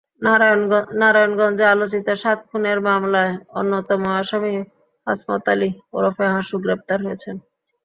নারায়ণগঞ্জে আলোচিত সাত খুনের মামলার অন্যতম আসামি হাসমত আলী ওরফে হাসু গ্রেপ্তার হয়েছেন।